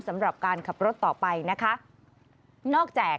สำหรับการขับรถต่อไปนะคะ